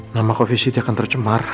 nama kovisi dia akan tercemar